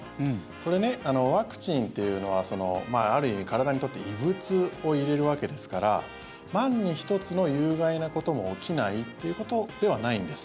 これね、ワクチンというのはある意味、体にとって異物を入れるわけですから万に一つの有害なことも起きないということではないんです。